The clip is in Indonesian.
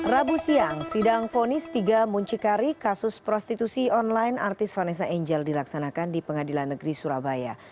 rabu siang sidang fonis tiga muncikari kasus prostitusi online artis vanessa angel dilaksanakan di pengadilan negeri surabaya